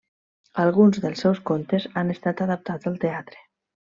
Alguns dels seus contes han estat adaptats al teatre.